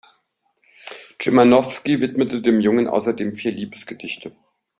Szymanowski widmete dem Jungen außerdem vier Liebesgedichte.